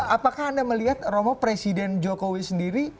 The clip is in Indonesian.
apakah anda melihat romo presiden jokowi sendiri